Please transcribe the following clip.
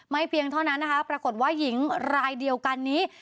เพียงเท่านั้นนะคะปรากฏว่าหญิงรายเดียวกันนี้